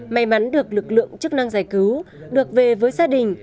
may mắn được lực lượng chức năng giải cứu được về với gia đình